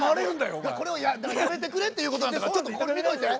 これをやめてくれっていうことなんだからちょっとここで見といて。